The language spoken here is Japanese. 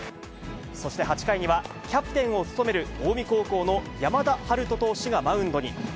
そして８回にはキャプテンを務める、近江高校の山田陽翔投手がマウンドに。